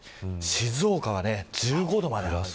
静岡は１５度まで上がります。